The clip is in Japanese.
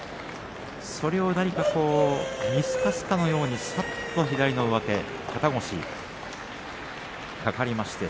それを何か見透かしたかのようにさっと左の上手肩越しかかりました。